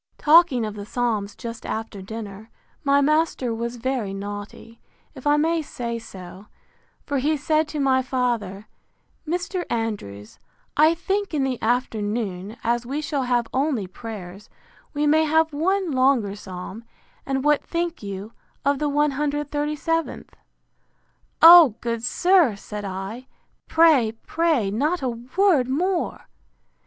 Talking of the Psalms just after dinner, my master was very naughty, if I may so say: For he said to my father, Mr. Andrews, I think in the afternoon, as we shall have only prayers, we may have one longer psalm; and what think you of the cxxxviith? O, good sir! said I, pray, pray, not a word more!